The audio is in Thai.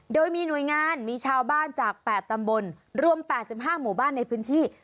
โดยมีหน่วยงานมีชาวบ้านจาก๘ตำบลรวม๘๕หมู่บ้านในพื้นที่